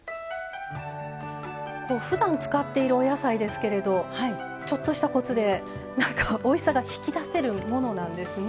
ふだん使っているお野菜ですけれどちょっとしたコツでおいしさが引き出せるものなんですね